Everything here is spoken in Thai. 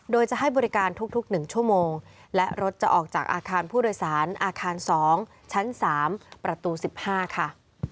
โดยจะให้บริการทุก๑ชั่วโมงและรถจะออกจากอาคารผู้โดยสารอาคาร๒ชั้น๓ประตู๑๕ค่ะ